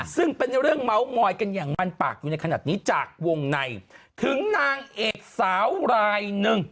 ซึ่งเป็นเรื่องเมาส์มอยกันอย่างมันปากอยู่ในขณะนี้จากวงในถึงนางเอกสาวรายหนึ่ง